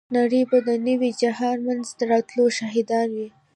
نړۍ به د نوي جهان منځته راتلو شاهده وي.